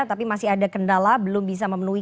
tapi masih ada kendala belum bisa memenuhi